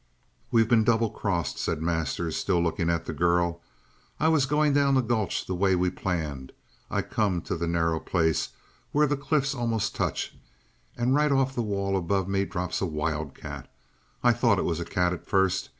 "We've been double crossed," said Masters, still looking at the girl. "I was going down the gulch the way we planned. I come to the narrow place where the cliffs almost touch, and right off the wall above me drops a wildcat. I thought it was a cat at first.